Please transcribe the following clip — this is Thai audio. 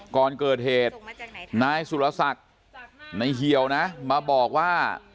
ก่อนเกิดเหตุนายสุรศักดิ์ในเหี่ยวนะมาบอกว่า